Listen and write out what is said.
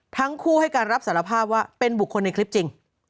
ทั้งคู่ให้การรับสารภาพว่าเป็นบุคคลในคลิปจริง